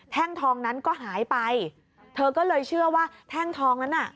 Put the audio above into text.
ทองนั้นก็หายไปเธอก็เลยเชื่อว่าแท่งทองนั้นน่ะ